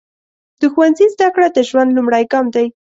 د ښوونځي زده کړه د ژوند لومړی ګام دی.